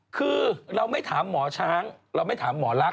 คือเราไม่ถามหมอช้างเราไม่ถามหมอลักษ